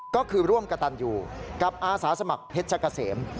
ก็คือร่วมกระตันอยู่กับอาสาสมัครเพชรกะเสม